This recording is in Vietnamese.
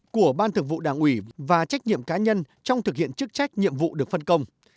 của ban thực vụ đảng ủy và trách nhiệm cá nhân trong thực hiện chức trách nhiệm vụ được phân công